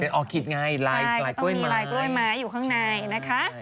เป็นออกฮิตไงลายกล้วยไม้ใช่มีลายกล้วยไม้อยู่ข้างในนะคะ